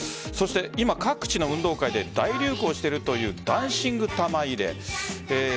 今、各地の運動会で大流行しているというダンシング玉入れ。